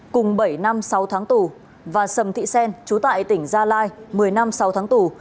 cùng bảy năm sáu tháng tù và sầm thị xen chú tại tỉnh gia lai một mươi năm sáu tháng tù